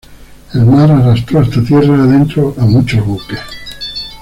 El mar arrastró hasta tierra adentro a muchos buques.